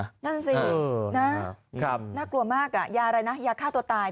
นั่นสินะน่ากลัวมากยาอะไรนะยาฆ่าตัวตาย